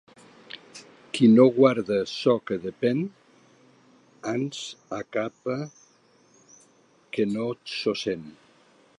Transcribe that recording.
Qui no guarda ço que despèn, ans acapta que no s'ho sent.